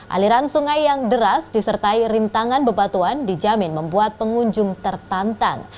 aliran sungai yang deras disertai rintangan bebatuan dijamin membuat pengunjung tertantang